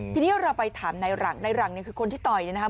ทีนี้เราไปถามนายหลังนายหลังเนี่ยคือคนที่ต่อยเนี่ยนะครับ